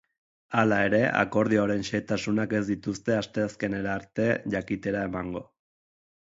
Hala ere, akordioaren xehetasunak ez dituzte asteazkenera arte jakitera emango.